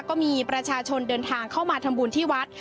ก็มีประชาชนเดินทางเข้ามาทำบุญที่วัด